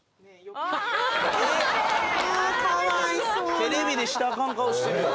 テレビでしたらアカン顔してるよ。